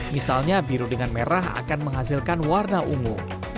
misalnya biru dengan merah akan menghasilkan warna ungu